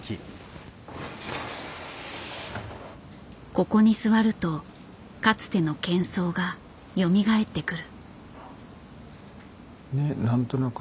ここに座るとかつての喧騒がよみがえってくる。